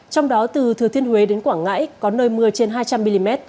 trong đó từ thừa thiên huế đến quảng ngãi có nơi mưa trên hai trăm linh mm